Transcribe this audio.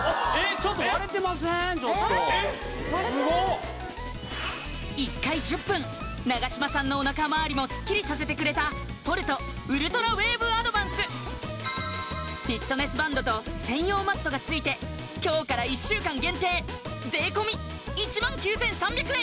ちょっとええ割れてるすごっ１回１０分永島さんのおなかまわりもスッキリさせてくれたポルトウルトラウェーブアドバンスフィットネスバンドと専用マットが付いて今日から１週間限定税込１９３００円